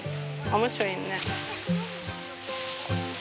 面白いね。